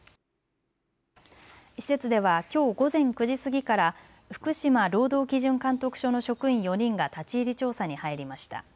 施設ではきょう午前９時過ぎから福島労働基準監督署の職員４人が立ち入り調査に入りました。